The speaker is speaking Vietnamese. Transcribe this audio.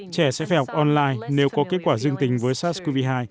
trẻ sẽ phải học online nếu có kết quả dương tính với sars cov hai